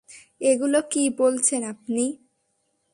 এগুলো কী বলছেন আপনি?